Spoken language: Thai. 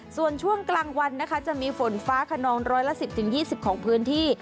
ส่วนช่วงกลางวันนะคะจะมีฝนฟ้าขนองร้อยละ๑๐๒๐ของพื้นที่